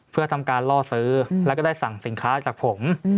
เพื่อทำการล่อซื้อแล้วก็ได้สั่งสินค้าจากผม